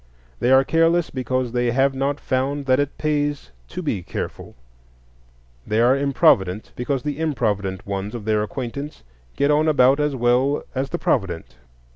They are careless because they have not found that it pays to be careful; they are improvident because the improvident ones of their acquaintance get on about as well as the provident.